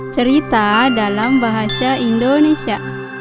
cerita dalam bahasa indonesia